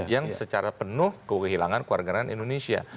yang secara penuh kehilangan kewarganegaraan indonesia